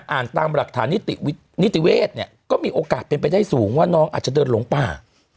อ่านตามหลักฐานนิตินิติเวศเนี่ยก็มีโอกาสเป็นไปได้สูงว่าน้องอาจจะเดินหลงป่า